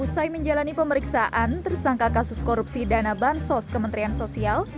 usai menjalani pemeriksaan tersangka kasus korupsi dana bansos kementerian sosial